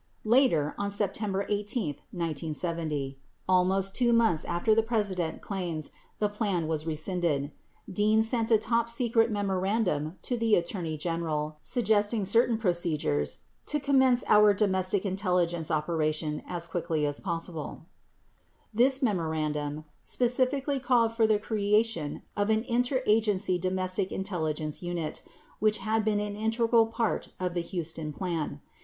32 Later, on September 18, 1970 (almost 2 months after the President claims the plan was rescinded) , Dean sent a top secret memorandum to the Attorney General suggesting certain procedures to " commence our domestic intelligence operation as quickly as possible ." [emphasis added] This memorandum specifically called for the creation of an Inter Agency Domestic Intelligence Unit which had been an integral part of the Huston plan.